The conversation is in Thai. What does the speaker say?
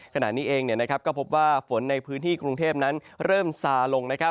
ขณะนี้เองก็พบว่าฝนในพื้นที่กรุงเทพนั้นเริ่มซาลง